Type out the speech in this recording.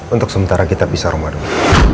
untuk sementara kita pisah rumah dulu